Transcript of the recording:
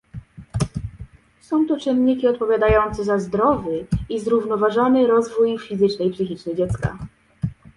Są to czynniki odpowiadające za zdrowy i zrównoważony rozwój fizyczny i psychiczny dziecka